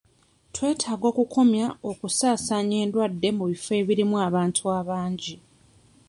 Twetaaga okukomya okusaasaanya endwadde mu bifo ebirimu abantu abangi.